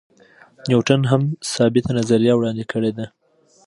نیوټن هم ثابته نظریه وړاندې کړې ده.